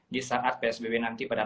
di saat psbb nanti pada